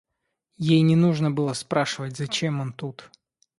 Ей не нужно было спрашивать, зачем он тут.